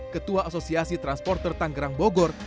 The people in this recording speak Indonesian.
ketua asosiasi transporter tanggerang bogor